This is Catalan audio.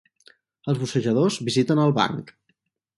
Els bussejadors visiten el banc.